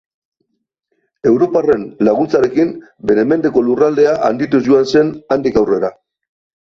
Europarren laguntzarekin, bere mendeko lurraldea handituz joan zen handik aurrera.